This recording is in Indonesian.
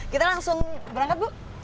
kita langsung berangkat bu